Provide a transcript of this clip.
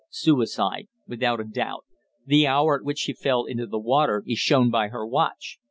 "Suicide. Without a doubt. The hour at which she fell into the water is shown by her watch.